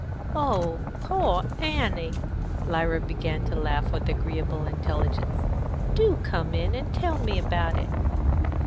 "Oh, poor Annie!" Lyra began to laugh with agreeable intelligence. "Do come in and tell me about it!"